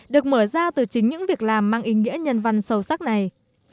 được mở ra từ chính những việc làm mang ý nghĩa nhân văn sâu sắc này